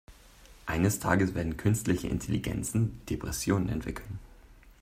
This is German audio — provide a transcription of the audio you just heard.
Eines Tages werden künstliche Intelligenzen Depressionen entwickeln.